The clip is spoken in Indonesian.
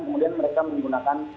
kemudian mereka menggunakan